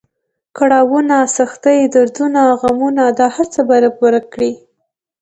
کړاونه، سختۍ، دردونه، غمونه دا هر څه به رب ورک کړي.